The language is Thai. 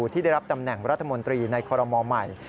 ที่ได้รับตำแหน่งรัฐมนตรีในคอรมอลใหม่